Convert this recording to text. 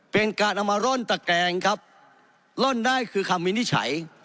เป็นการเอามาร่อนตะแกงครับร่อนได้คือคำวินิจฉัย